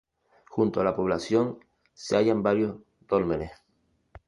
Junto a la población se hallan varios dólmenes.